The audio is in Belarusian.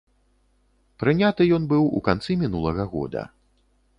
Прыняты ён быў у канцы мінулага года.